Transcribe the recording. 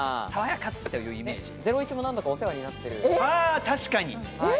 『ゼロイチ』も何度かお世話になってる。